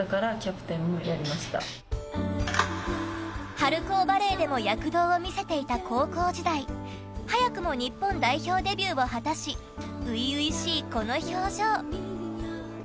春高バレーでも躍動を見せていた高校時代早くも日本代表デビューを果たし初々しいこの表情。